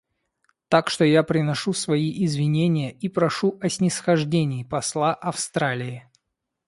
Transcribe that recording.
Так что я приношу свои извинения и прошу о снисхождении посла Австралии.